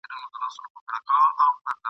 نه یوازي د جیولوجي یو لایق انجنیر وو ..